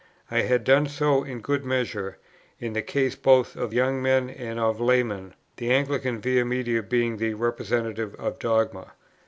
I had done so in good measure, in the case both of young men and of laymen, the Anglican Via Media being the representative of dogma.